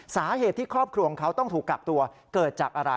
สาเหตุที่ครอบครัวของเขาต้องถูกกักตัวเกิดจากอะไร